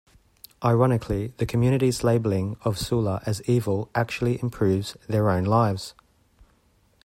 Ironically, the community's labeling of Sula as evil actually improves their own lives.